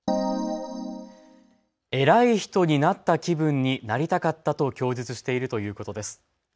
偉い人になった気分になりたかったと供述しているということです。